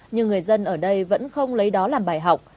nhưng người dân ở đây vẫn không lấy đó làm bài học